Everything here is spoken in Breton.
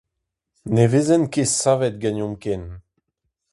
Ne vezent ket savet ganeomp ken.